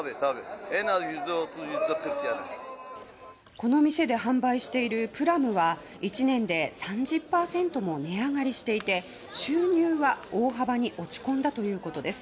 この店で販売しているプラムは１年で３０％も値上がりしていて収入は大幅に落ち込んだということです。